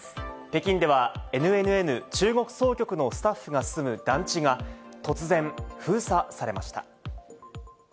北京ではＮＮＮ中国総局のスタッフが住む団地が、突然、封鎖されました。